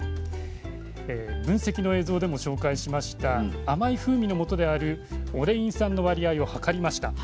分析の映像でも紹介しました甘い風味のもとであるオレイン酸の割合を測りました。